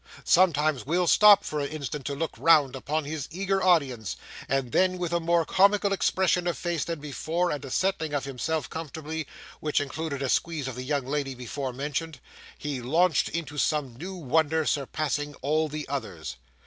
Sometimes Will stopped for an instant to look round upon his eager audience, and then, with a more comical expression of face than before and a settling of himself comfortably, which included a squeeze of the young lady before mentioned, he launched into some new wonder surpassing all the others.